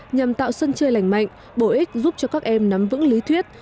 nhằm tạo sân chơi lành mạnh bổ ích giúp cho các em nắm vững lý thuyết